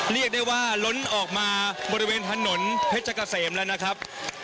เรียกได้ว่าล้นออกมาบริเวณถนนเพชรเกษมแล้วนะครับ